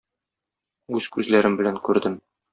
Үз күзләрем белән күрдем.